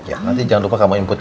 nanti jangan lupa kamu input ya